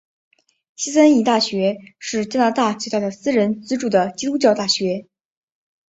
西三一大学是加拿大最大的私人资助的基督教大学。